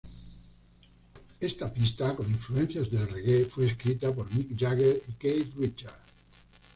Esta pista con influencias del reggae, fue escrita por Mick Jagger y Keith Richards.